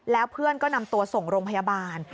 แล้วเพื่อนก็นำตัวส่งโรงพยาบาล